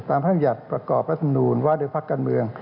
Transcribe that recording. ตามพันธุ์ยัดประกอบและสำนูญว่าเดือดพระกันเมือง